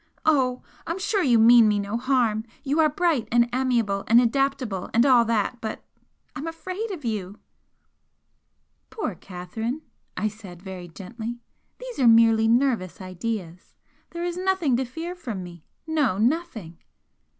Oh! I'm sure you mean me no harm you are bright and amiable and adaptable and all that but I'm afraid of you!" "Poor Catherine!" I said, very gently "These are merely nervous ideas! There is nothing to fear from me no, nothing!"